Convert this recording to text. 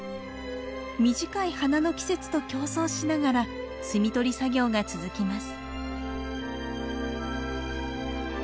短い花の季節と競争しながら摘み取り作業が続きます。